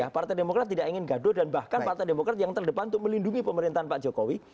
partai demokrat tidak ingin gaduh dan bahkan partai demokrat yang terdepan untuk melindungi pemerintahan pak jokowi